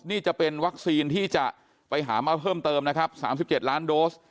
นี่จะเป็นวัคซีนที่จะไปหามาเพิ่มเติมนะครับ๓๗ล้านโดส